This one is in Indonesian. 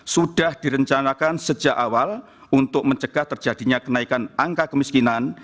sudah direncanakan sejak awal untuk mencegah terjadinya kenaikan angka kemiskinan